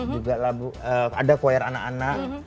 juga ada choir anak anak